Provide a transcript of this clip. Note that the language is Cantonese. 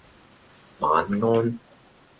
晚安